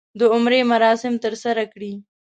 د عمرې مراسم ترسره کړي.